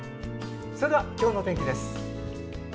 では、今日の天気です。